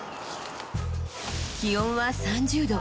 気温は３０度。